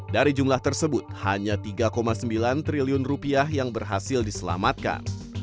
dari jumlah tersebut hanya tiga sembilan triliun rupiah yang berhasil diselamatkan